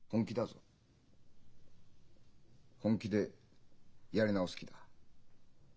本気でやり直す気だ。